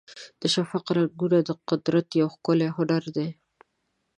د شفق رنګونه د قدرت یو ښکلی هنر دی.